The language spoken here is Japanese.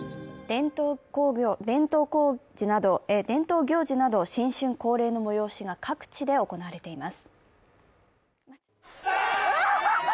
伝統行事など新春恒例の催しが各地で行われています。